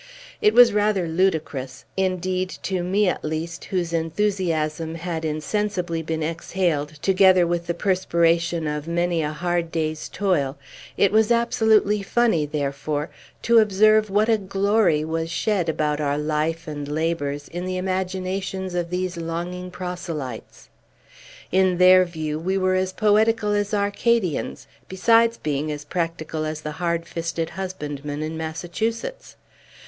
It was rather ludicrous, indeed (to me, at least, whose enthusiasm had insensibly been exhaled together with the perspiration of many a hard day's toil), it was absolutely funny, therefore, to observe what a glory was shed about our life and labors, in the imaginations of these longing proselytes. In their view, we were as poetical as Arcadians, besides being as practical as the hardest fisted husbandmen in Massachusetts.